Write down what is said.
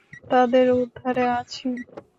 তাদের উদ্ধারে আছি।